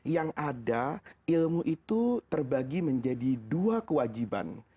yang ada ilmu itu terbagi menjadi dua kewajiban